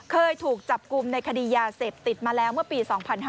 เคยถูกจับกลุ่มในคดียาเสพติดมาแล้วเมื่อปี๒๕๕๙